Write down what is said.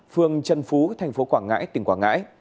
phường trần phú thành phố quảng ngãi tỉnh quảng ngãi